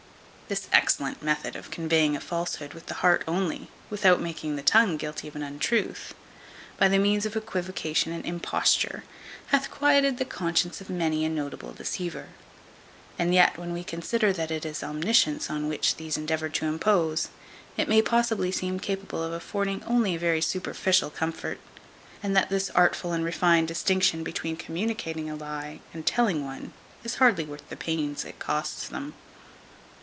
This excellent method of conveying a falsehood with the heart only, without making the tongue guilty of an untruth, by the means of equivocation and imposture, hath quieted the conscience of many a notable deceiver; and yet, when we consider that it is Omniscience on which these endeavour to impose, it may possibly seem capable of affording only a very superficial comfort; and that this artful and refined distinction between communicating a lie, and telling one, is hardly worth the pains it costs them.